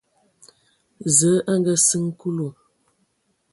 Zǝə a ngaasiŋ Kulu.